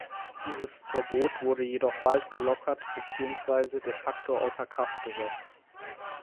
Dieses Verbot wurde jedoch bald gelockert beziehungsweise "de facto" außer Kraft gesetzt.